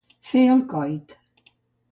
Fer el coit.